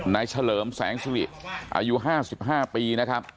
น๊ายเฉลิมแสงศรีอายุ๕๕ปี